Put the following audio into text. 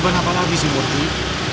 kayaknya adik kamu mentornya